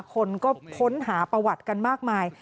คนก็ค้นหาประวัติกันมากมาย